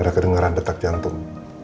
ada kedengaran detak jantung